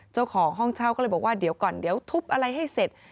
เจ้าของห้องเช่าก็เลยบอกว่าเดี๋ยวก่อนเดี๋ยวทุบอะไรให้เสร็จ